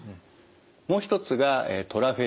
もう一つがトラフェルミン。